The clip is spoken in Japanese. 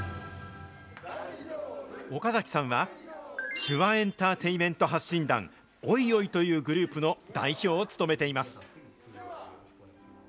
岡崎さんは、手話エンターテイメント発信団ｏｉｏｉというグループの代表を務めています。